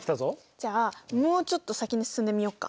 じゃあもうちょっと先に進んでみよっか？